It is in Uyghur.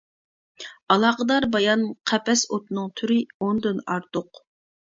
ئالاقىدار بايان قەپەسئوتنىڭ تۈرى ئوندىن ئارتۇق.